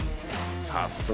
さすが！